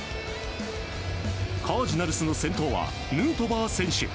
カージナルスの先頭はヌートバー選手。